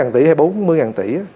ba mươi sáu tỷ hay bốn mươi tỷ